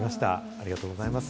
ありがとうございます。